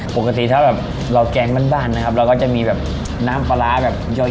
ปกติถ้าแบบเราแกงบ้านนะครับเราก็จะมีแบบน้ำปลาร้าแบบย่อย